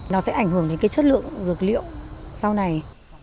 nó sẽ ảnh hưởng đến cái chất lượng dược liệu sau này